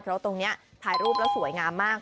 เพราะตรงนี้ถ่ายรูปแล้วสวยงามมาก